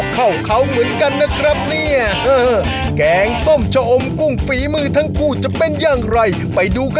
ก็เข่าเหมือนกันนี่